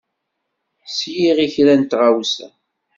Sliɣ i kra n tɣawsa.